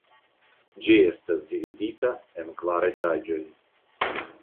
Ĝi estas dividita en kvar etaĝojn.